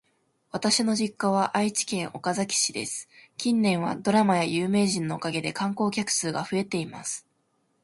私の実家は愛知県岡崎市です。近年はドラマや有名人のおかげで観光客数が増えています。